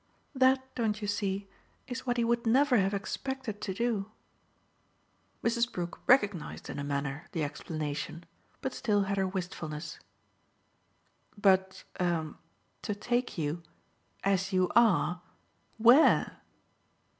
That, don't you see? is what he would never have expected to do." Mrs. Brook recognised in a manner the explanation, but still had her wistfulness. "But a to take you, 'as you are,' WHERE?"